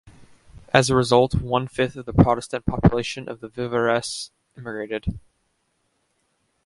As a result, one-fifth of the Protestant population of the Vivarais emigrated.